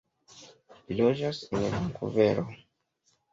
Li loĝas en Vankuvero.